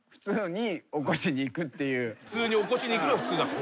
普通に起こしに行くのが普通だと。